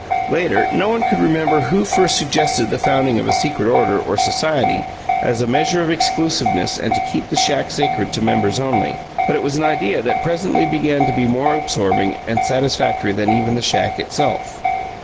Later, no one could remember who first suggested the founding of a secret order, or society, as a measure of exclusiveness and to keep the shack sacred to members only; but it was an idea that presently began to be more absorbing and satisfactory than even the shack itself.